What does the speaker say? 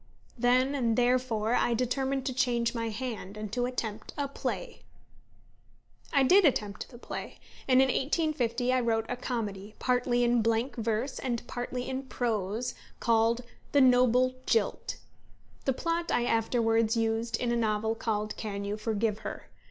Then and therefore I determined to change my hand, and to attempt a play. I did attempt the play, and in 1850 I wrote a comedy, partly in blank verse, and partly in prose, called The Noble Jilt. The plot I afterwards used in a novel called _Can You Forgive Her?